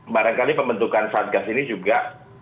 barangkali pembentukan satgas ini juga